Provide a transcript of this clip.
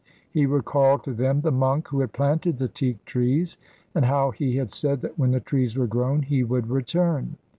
He recalled to them the monk who had planted the teak trees, and how he had said that when the trees were grown he would return.